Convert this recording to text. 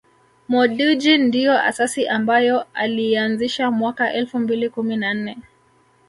Mo Dewji ndio asasi ambayo aliianzisha mwaka elfu mbili kumi na nne